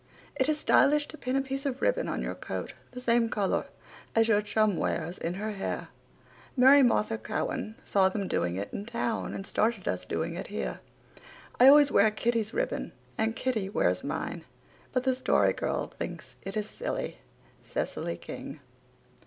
It is stylish to pin a piece of ribbon on your coat the same colour as your chum wears in her hair. Mary Martha Cowan saw them doing it in town and started us doing it here. I always wear Kitty's ribbon and Kitty wears mine, but the Story Girl thinks it is silly. CECILY KING.